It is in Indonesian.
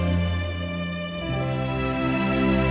di situ tuh tidak